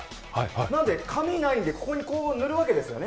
なんで髪がないので、ここに塗るわけですよね、